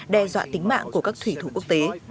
đe dọa tính mạng của các thủy thủ quốc tế